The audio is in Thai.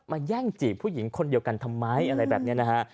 แย่งจีบผู้หญิงคนเดียวกันทำไมอะไรแบบนี้นะฮะ